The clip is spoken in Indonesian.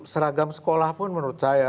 seragam sekolah pun menurut saya